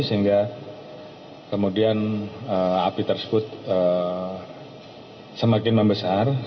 sehingga kemudian api tersebut semakin membesar